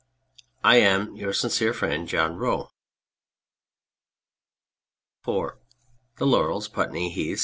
I am, Your sincere friend, JOHN ROE. IV Tlic Laurels, Putney Heath, S.